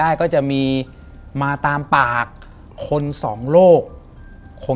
แต่ขอให้เรียนจบปริญญาตรีก่อน